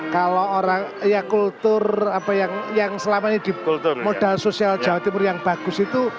kalau orang ya kultur apa yang selama ini di modal sosial jawa timur yang bagus itu